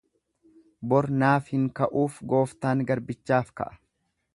Bor naaf haa ka'uuf gooftaan garbichaaf ka'a.